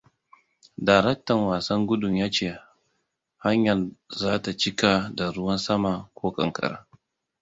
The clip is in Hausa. Daraktan wasan gudun yace hanyar za ta cika da ruwan sama ko ƙanƙara.